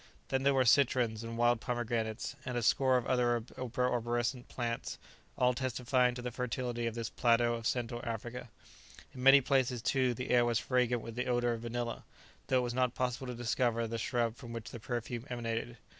Then there were citrons and wild pomegranates and a score of other arborescent plants, all testifying to the fertility of this plateau of Central Africa. In many places, too, the air was fragrant with the odour of vanilla, though it was not possible to discover the shrub from which the perfume emanated.